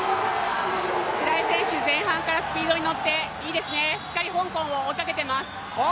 白井選手前半からスピードに乗っていいですね、しっかり香港を追いかけています。